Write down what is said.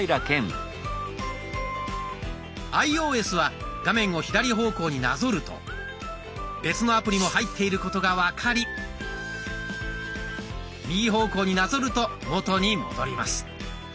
アイオーエスは画面を左方向になぞると別のアプリも入っていることが分かり右方向になぞると元に戻ります。